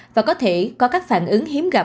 và có thể có các phản ứng hiếm gặp